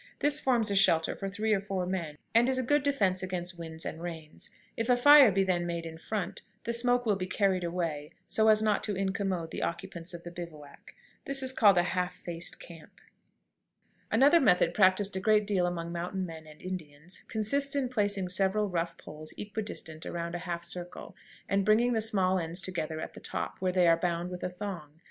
This forms a shelter for three or four men, and is a good defense against winds and rains. If a fire be then made in front, the smoke will be carried away, so as not to incommode the occupants of the bivouac. This is called a "half faced" camp. [Illustration: HALF FACED CAMP.] Another method practiced a great deal among mountain men and Indians consists in placing several rough poles equidistant around in a half circle, and bringing the small ends together at the top, where they are bound with a thong.